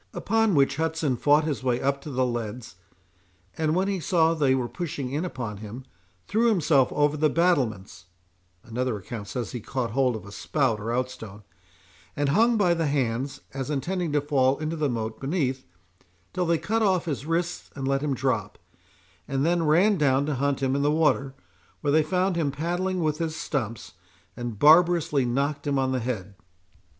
Upon which, Hudson fought his way up to the leads; and when he saw they were pushing in upon him, threw himself over the battlements (another account says, he caught hold of a spout or outstone,) and hung by the hands, as intending to fall into the moat beneath, till they cut off his wrists and let him drop, and then ran down to hunt him in the water, where they found him paddling with his stumps, and barbarously knocked him on the head."